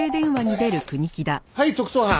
はい特捜班。